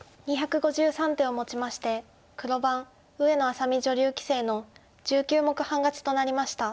２５３手をもちまして黒番上野愛咲美女流棋聖の１９目半勝ちとなりました。